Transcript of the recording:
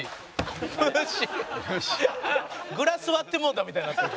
グラス割ってもうたみたいになってる。